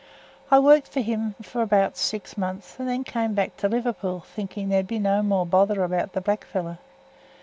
I worked for him for about six months, and then come back to Liverpool, thinking there'd be no more bother about the blackfellow.